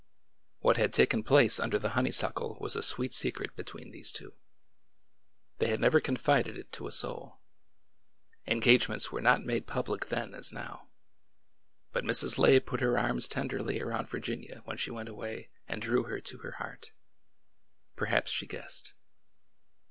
What had taken place under the honeysuckle was a sweet secret between these two. They had never confided it to a soul. Engagements were not made public then as now. But Mrs. Lay put her arms tenderly around Vir ginia when she went away and drew her to her heart. Perhaps she guessed.